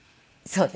そう。